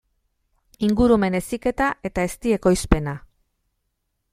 Ingurumen heziketa eta ezti ekoizpena.